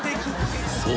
［そう。